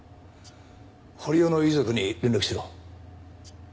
堀尾の遺族に連絡しろ。